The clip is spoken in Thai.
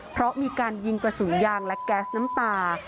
เพราะมีการยิงกระสุนยางและแก๊สน้ำตา